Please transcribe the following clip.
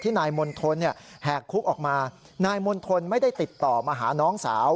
นายมณฑลแหกคุกออกมานายมณฑลไม่ได้ติดต่อมาหาน้องสาว